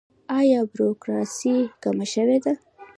آیا بروکراسي کمه شوې ده؟